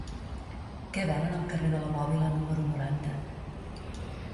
Què venen al carrer de la Bòbila número noranta?